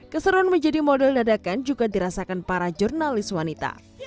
keseruan menjadi model dadakan juga dirasakan para jurnalis wanita